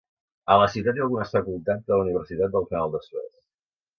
A la ciutat hi ha algunes facultats de la Universitat del Canal de Suez.